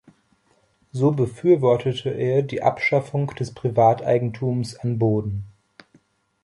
So befürwortete er die Abschaffung des Privateigentums an Boden.